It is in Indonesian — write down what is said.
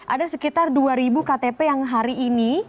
ada sekitar dua ribu ktp yang hari ini